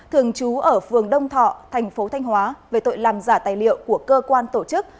thường trú ở phường đông thọ thành phố thanh hóa về tội làm giả tài liệu của cơ quan tổ chức